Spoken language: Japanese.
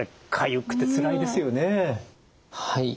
はい。